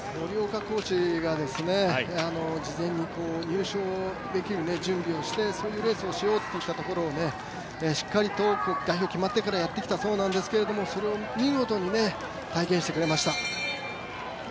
コーチが事前に入賞できる準備をしてそういうレースをしようといっていたところをしっかりと、代表決まってからやってきたそうなんですけどもそれを見事に体現してくれました。